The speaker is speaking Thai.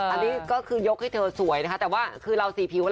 อันนี้ก็คือยกให้เธอสวยนะคะแต่ว่าคือเราสีผิว